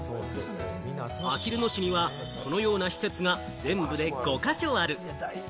あきる野市には、このような施設が全部で５か所ある。